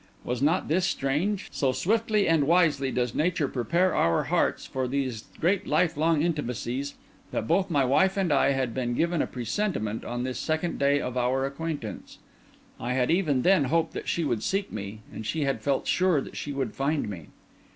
(Was not this strange? So swiftly and wisely does Nature prepare our hearts for these great life long intimacies, that both my wife and I had been given a presentiment on this the second day of our acquaintance. I had even then hoped that she would seek me; she had felt sure that she would find me.)